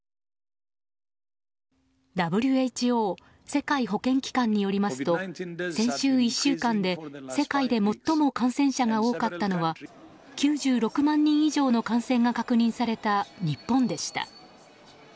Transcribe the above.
ＷＨＯ・世界保健機関によりますと先週１週間で世界で最も感染者が多かったのは９６万人以上の感染が確認された日本でした。